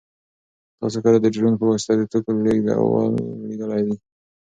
تاسو کله د ډرون په واسطه د توکو لېږدول لیدلي دي؟